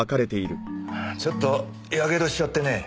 ちょっとヤケドしちゃってねぇ。